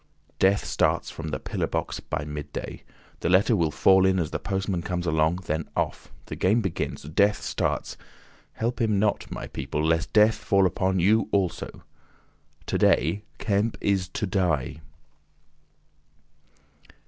Death starts from the pillar box by midday. The letter will fall in as the postman comes along, then off! The game begins. Death starts. Help him not, my people, lest Death fall upon you also. To day Kemp is to die."